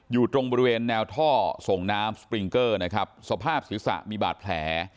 อยู่ตรงบริเวณแนวท่อส่งน้ำสปริงเกอร์นะครับสภาพศีรษะมีบาดแผล